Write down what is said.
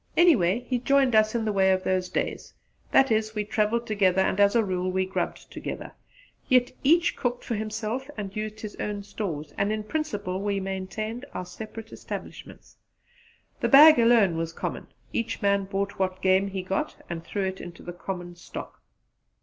Anyway, he joined us in the way of those days: that is, we travelled together and as a rule we grubbed together; yet each cooked for himself and used his own stores, and in principle we maintained our separate establishments. The bag alone was common; each man brought what game he got and threw it into the common stock.